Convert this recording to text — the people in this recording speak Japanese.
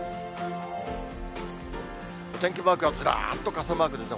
お天気マークがずらっと傘マークですね。